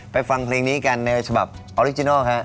ฟังเพลงนี้กันในฉบับออริจินัลฮะ